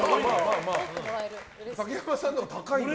竹山さんのが高いんだね。